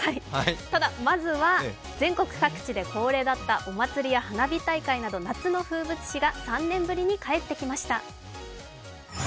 ただ、まずは全国各地で恒例だった夏のお祭りなど夏の風物詩が３年ぶりに帰ってきました。